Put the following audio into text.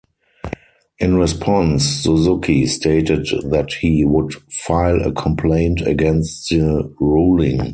In response, Suzuki stated that he would file a complaint against the ruling.